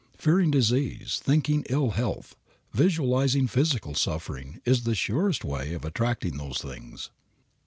Fearing disease, thinking ill health, visualizing physical suffering, is the surest way of attracting those things.